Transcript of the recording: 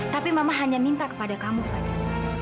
tapi mama hanya minta kepada kamu kepada